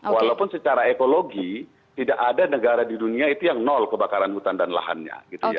walaupun secara ekologi tidak ada negara di dunia itu yang nol kebakaran hutan dan lahannya